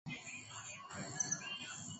Kompyuta ya mkononi.